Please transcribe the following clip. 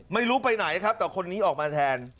ไม่รู้ไปไหนครับแต่คนนี้ออกมาแทน